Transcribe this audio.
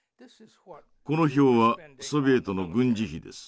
「この表はソビエトの軍事費です。